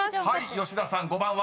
［吉田さん５番は？］